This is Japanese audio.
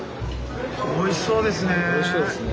おいしそうですね！